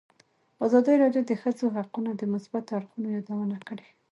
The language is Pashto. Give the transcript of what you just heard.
ازادي راډیو د د ښځو حقونه د مثبتو اړخونو یادونه کړې.